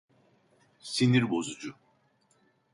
Sinir bozucu!